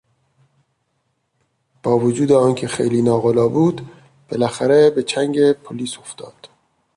با وجود آن که خیلی ناقلا بود بالاخره به چنگ پلیس افتاد.